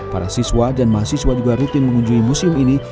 para siswa dan mahasiswa juga rutin mengunjungi museum ini